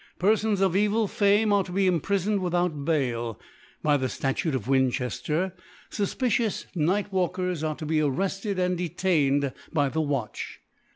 Perfons of evH Fame are to be imprifoned withodt Bail, By the Statute of fVincbepr f, fafpicipU5 Night walfccrs are to be arretted and dc lained by the Watch.